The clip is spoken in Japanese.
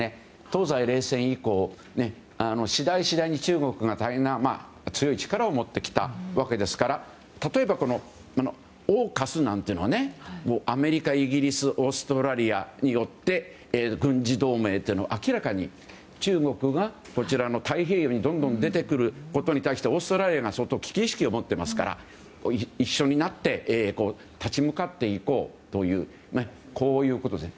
東西冷戦以降、次第次第に中国が強い力を持ってきたわけですから例えばＡＵＫＵＳなんていうのはアメリカ、イギリスオーストラリアによって軍事同盟というのが明らかに中国が太平洋にどんどん出てくることに対してオーストラリアが相当危機意識を持っていますから一緒になって立ち向かっていこうということです。